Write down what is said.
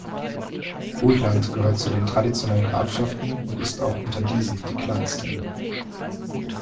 Rutland gehört zu den traditionellen Grafschaften und ist auch unter diesen die kleinste.